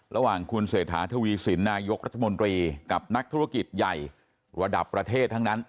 ระหว่างคุณเศรษฐาทวีสินนายกรัฐมนตรีกับนักธุรกิจใหญ่ระดับประเทศทั้งนั้น